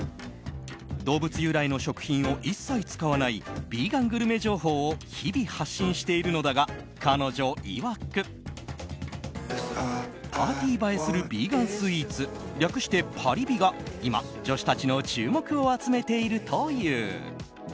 動物由来の食品を一切使わないビーガングルメ情報を日々発信しているのだが彼女いわくパーティー映えするビーガンスイーツ略してパリビが今、女子たちの注目を集めているという。